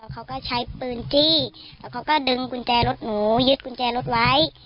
เขาก็ใช้ปืนจี้แล้วเขาก็ดึงกุญแจรถหนูยึดกุญแจรถไว้